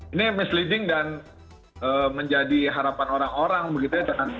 ini misleading dan menjadi harapan orang orang begitu ya